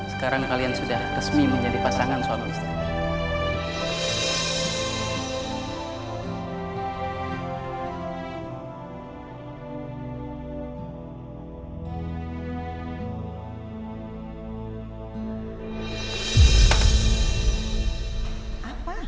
sekarang kalian sudah resmi menjadi pasangan suami istri